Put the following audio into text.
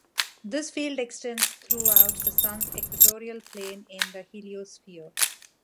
This field extends throughout the Sun's equatorial plane in the heliosphere.